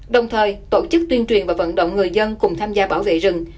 đồng thời tổ chức tuyên truyền và vận động người dân cùng tham gia bảo vệ rừng